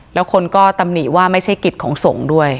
แล้วคนก็ตำหนิว่าไม่ใช่กิจของสงฆ์ด้วย